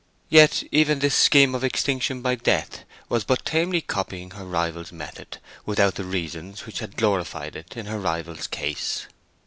Yet even this scheme of extinction by death was but tamely copying her rival's method without the reasons which had glorified it in her rival's case.